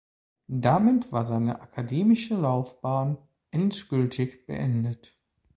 Damit war seine akademische Laufbahn endgültig beendet.